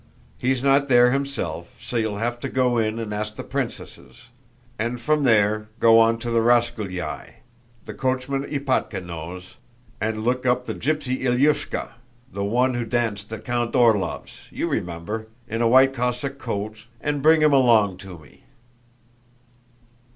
He's not there himself, so you'll have to go in and ask the princesses; and from there go on to the Rasgulyáy—the coachman Ipátka knows—and look up the gypsy Ilyúshka, the one who danced at Count Orlóv's, you remember, in a white Cossack coat, and bring him along to me."